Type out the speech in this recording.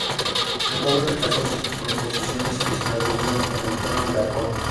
El joven rechazó sus proposiciones y se refugió en el templo de Apolo.